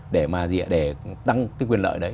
để mà gì ạ để tăng cái quyền lợi đấy